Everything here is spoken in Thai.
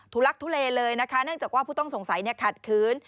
ทุลักษณ์ทุเลเลยนะคะเนื่องจากว่าผู้ต้องสงสัยเนี่ยขาดคืน